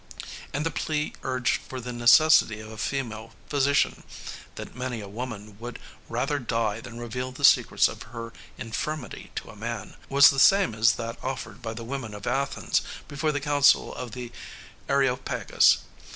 And the plea urged for the necessity of a female physician that many a woman would rather die than reveal the secrets of her infirmity to a man was the same as that offered by the women of Athens before the council of the Areopagus.